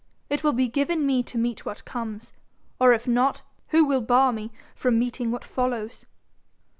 It will be given me to meet what comes; or if not, who will bar me from meeting what follows